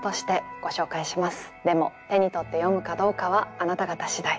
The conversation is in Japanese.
でも手に取って読むかどうかはあなた方次第。